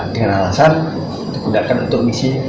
dengan alasan digunakan untuk misi